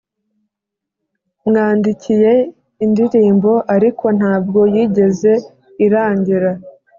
yamwandikiye indirimbo, ariko ntabwo yigeze irangira